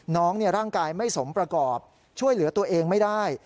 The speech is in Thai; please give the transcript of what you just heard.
ร่างกายไม่สมประกอบช่วยเหลือตัวเองไม่ได้